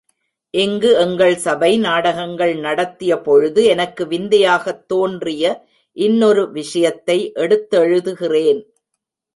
இங்கு எங்கள் சபை நாடகங்கள் நடத்தியபொழுது எனக்கு விந்தையாகத் தோன்றிய இன்னொரு விஷயத்தை எடுத்தெழுதுகிறேன்.